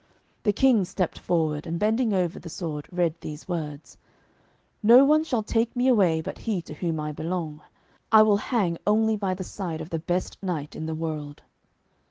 The King stepped forward, and bending over the sword read these words: 'No one shall take me away but he to whom I belong. I will hang only by the side of the best knight in the world.'